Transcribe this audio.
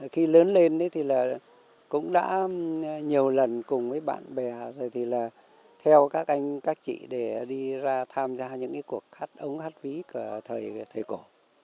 khi lớn lên thì là cũng đã nhiều lần cùng với bạn bè rồi thì là theo các anh các chị để đi ra tham gia những cuộc hát ống hát ví của thầy cổ